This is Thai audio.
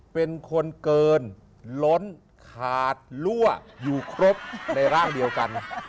เป็นคนเกินล้นขาดรั่วอยู่ครบในร่างเดียวกัน